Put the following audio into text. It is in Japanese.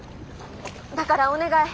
だからお願い。